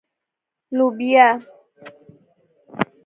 🫘 لبیا